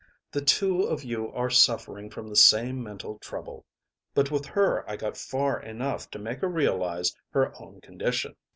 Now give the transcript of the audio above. The two of you are suffering from the same mental trouble. But with her I got far enough to make her realise her own condition.